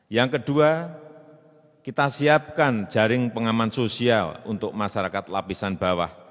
yang kedua kita siapkan jaring pengaman sosial untuk masyarakat lapisan bawah